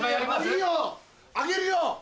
いいよあげるよ！